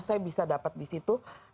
saya bisa dapat di situ